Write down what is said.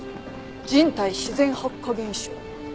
人体自然発火現象。